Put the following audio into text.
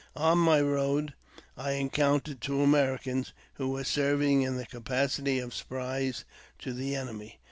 On my road I encountered two Americans, who were serving in the capacity of spies to the enemy.